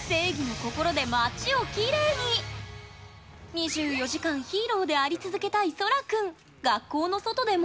２４時間ヒーローであり続けたい、そら君。